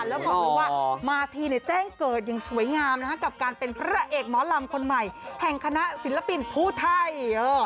แล้วความรู้ว่ามาธีเนี่ยแจ้งเกิดอย่างสวยงามนะครับกับการเป็นพระเอกหมอลำคนใหม่แทงคณะศิลปินผู้ไทย